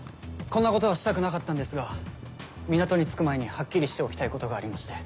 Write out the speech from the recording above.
こんなことはしたくなかったんですが港に着く前にはっきりしておきたいことがありまして。